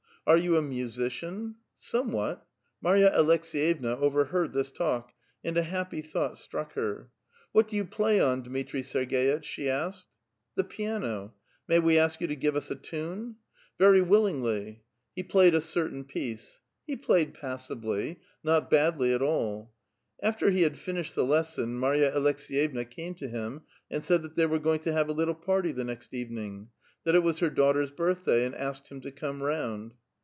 *' Are you a musician? "*' Somewhat." Marya Aleks^yevna overheard this talk, and a happy thought struck her. *' What do you plaj' on, Dmitri Serg^itch? " she asked. *' The piano." *' May we ask you to give us a tune? "*' Very willingly." He played a cei*tain piece. He played passably — not badly at all. After he had finished the lesson, Marya Aleks^yevna came to him and said that they were going to have a little party the next evening ; that it was her daughter's birthday, and asked him to come round.